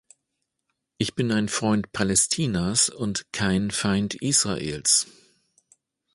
Ich bin ein Freund Palästinas und kein Feind Israels.